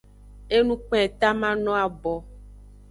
Enu kpen eta mano abo.